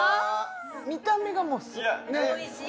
見た目がもうねっおいしい